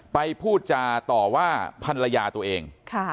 พูดจาต่อว่าภรรยาตัวเอง